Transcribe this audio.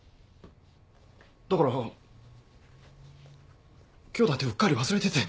だから今日だってうっかり忘れてて。